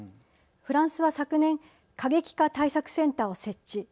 フランスは昨年過激化対策センターを設置。